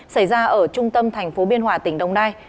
xảy ra ở trung tâm thành phố biên hòa tỉnh đồng nai